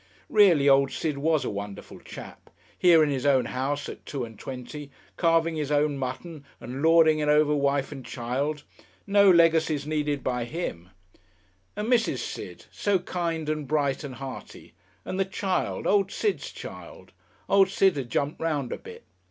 Really, old Sid was a wonderful chap, here in his own house at two and twenty, carving his own mutton and lording it over wife and child. No legacies needed by him! And Mrs. Sid, so kind and bright and hearty! And the child, old Sid's child! Old Sid had jumped round a bit.